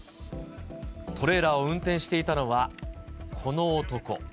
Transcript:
トレーラーを運転していたのはこの男。